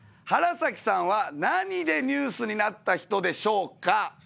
原崎さんは何でニュースになった人でしょうか？